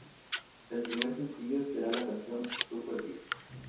El primer sencillo será la canción "Supergirl.